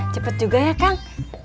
cepet juga ya kang